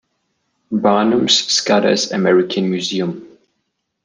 Barnum's Scudder's American Museum.